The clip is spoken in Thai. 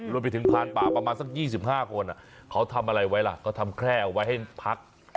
รวมไปถึงพรานป่าประมาณสัก๒๕คนอ่ะเขาทำอะไรไว้ล่ะก็ทำแคล้ไว้ให้พัก